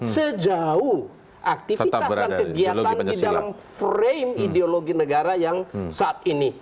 sejauh aktivitas dan kegiatan di dalam frame ideologi negara yang saat ini